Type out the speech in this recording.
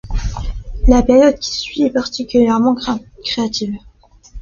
La période qui suit est particulièrement créative.